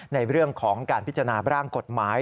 ในเรื่องของการพิจารณาร่างกฎหมาย